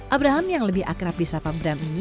abraham yang lebih akrab di sapa brahm ini